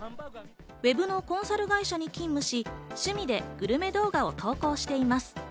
ウェブのコンサル会社に勤務し、趣味でグルメ動画を投稿しています。